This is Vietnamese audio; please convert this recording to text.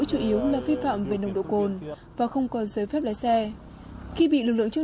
tôi đã vi phạm nông độ cồn bởi vì con cháu của tôi ở rất xa